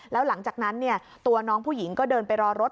แล้วหลังจากนั้นตัวน้องผู้หญิงก็เดินไปรอรถ